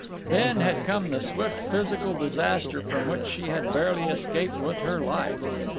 Then had come the swift physical disaster from which she had barely escaped with her life.